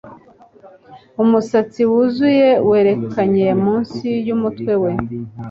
Umusatsi wuzuye werekanye munsi yumutwe we